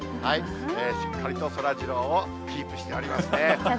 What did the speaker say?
しっかりとそらジローをキープしておりますね。